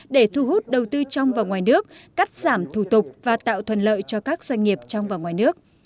để thu hút đầu tư trong và ngoài nước cắt giảm thủ tục và tạo thuận lợi cho các doanh nghiệp trong và ngoài nước